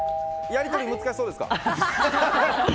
やり取り難しそうですか？